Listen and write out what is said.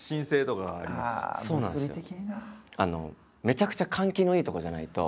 めちゃくちゃ換気のいい所じゃないと。